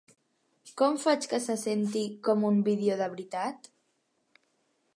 Com faig que se senti com un vídeo de veritat?